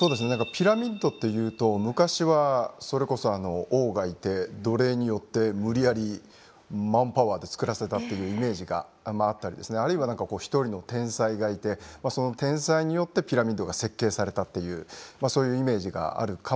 ピラミッドというと昔はそれこそ王がいて奴隷によって無理やりマンパワーで造らせたというイメージがあったりですねあるいは一人の天才がいてその天才によってピラミッドが設計されたというそういうイメージがあるかもしれないんですが。